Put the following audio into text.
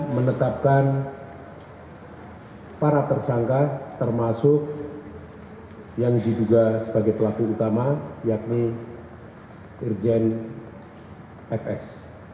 menetapkan para tersangka termasuk yang diduga sebagai pelaku utama yakni irjen fs